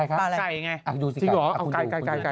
ใครครับจริงหรอเรื่องไรคุณดูอะไรกี้่